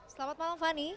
selamat malam fani